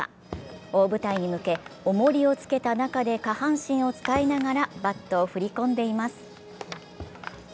大舞台に向け、おもりを着けた中で下半身を使いながらバットを振り込んでいます。